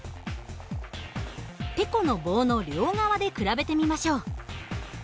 てこの棒の両側で比べてみましょう。